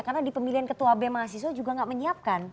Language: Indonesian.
karena di pemilihan ketua b mahasiswa juga tidak menyiapkan